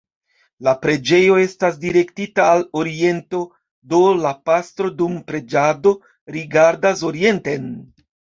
La preĝejo estas direktita al oriento, do la pastro dum preĝado rigardas orienten.